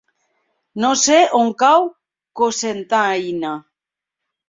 No sé on cau Cocentaina.